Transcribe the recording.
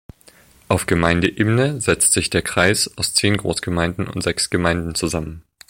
Auf Gemeindeebene setzt sich der Kreis aus zehn Großgemeinden und sechs Gemeinden zusammen.